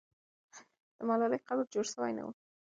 د ملالۍ قبر جوړ سوی نه وو.